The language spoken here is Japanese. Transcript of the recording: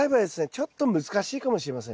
ちょっと難しいかもしれませんね。